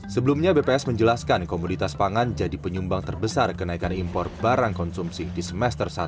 sebelumnya bps menjelaskan komoditas pangan jadi penyumbang terbesar kenaikan impor barang konsumsi di semester satu